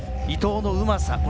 伊藤のうまさ